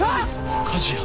火事や。